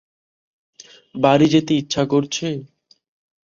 বাড়ি যেতে ইচ্ছা করছে?